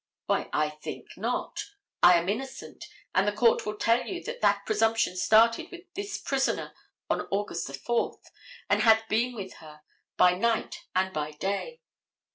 Why I think not. I am innocent, and the court will tell you that that presumption started with this prisoner on August 4, and has been with her by night and by day.